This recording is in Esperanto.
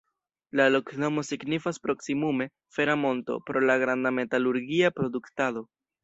La loknomo signifas proksimume "fera monto" pro la granda metalurgia produktado.